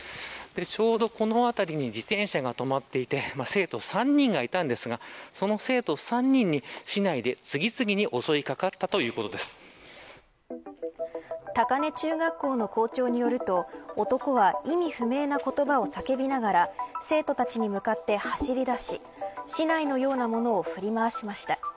ちょうどこの辺りに自転車が止まっていて生徒３人がいたんですがその生徒３人に竹刀で次々に高根中学校の校長によると男は意味不明な言葉を叫びながら生徒たちに向かって走りだし竹刀のようなものを振り回しました。